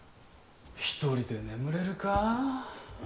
１人で眠れるか？